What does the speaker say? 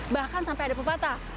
bahkan sampai ada pepatah